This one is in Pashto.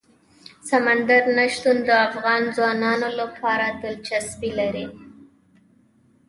سمندر نه شتون د افغان ځوانانو لپاره دلچسپي لري.